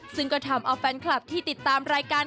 ซึ่งก็ทำเอาแฟนคลับที่ติดตามรายการ